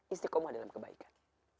istiqomah dalam kebaikan